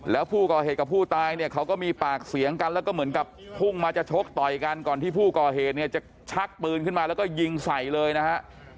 แล้วผู้ก่อเหตุกับผู้ตายเนี่ยเขาก็มีปากเสียงกันแล้วก็เหมือนกับพุ่งมาจะชกต่อยกันก่อนที่ผู้ก่อเหตุเนี่ยจะชักปืนขึ้นมาแล้วก็ยิงใส่เลยนะฮะ